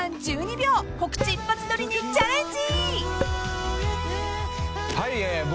［告知一発撮りにチャレンジ！］